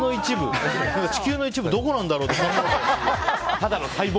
地球の一部どこなんだろう。